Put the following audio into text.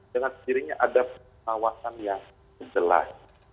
dengan dirinya ada kawasan yang jelas